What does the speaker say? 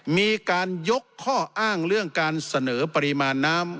มีการยกข้ออ้างเรื่องการเสนอปริมาณน้ำ